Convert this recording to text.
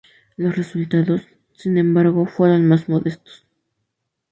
Los resultados, sin embargo, fueron más modestos.